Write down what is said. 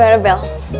hai dari bel